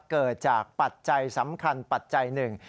เกิดจากปัจจัยสำคัญปัจจัยหนึ่ง